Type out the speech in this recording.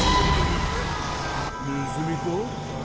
ネズミか？